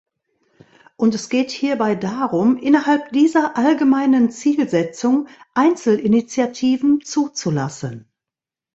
Und es geht hierbei darum, innerhalb dieser allgemeinen Zielsetzung Einzelinitiativen zuzulassen.